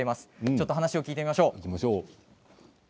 ちょっと話、聞いてみましょう。